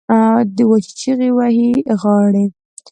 وچې چیغې وهي غاړې